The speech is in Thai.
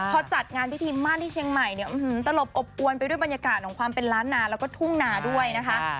พอจัดงานพิธีมั่นที่เชียงใหม่เนี่ยตลบอบอวนไปด้วยบรรยากาศของความเป็นล้านนาแล้วก็ทุ่งนาด้วยนะคะ